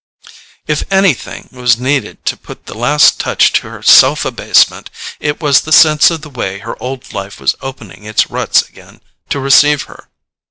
If anything was needed to put the last touch to her self abasement it was the sense of the way her old life was opening its ruts again to receive her.